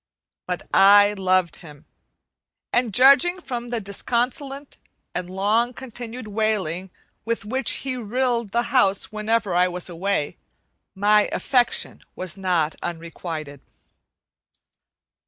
But I loved him, and judging from the disconsolate and long continued wailing with which he rilled the house whenever I was away, my affection was not unrequited.